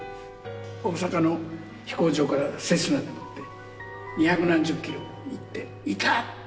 大阪の飛行場からセスナに乗って二百何十キロ行っていたっ！